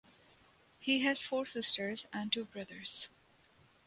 He has four sisters and two brothers.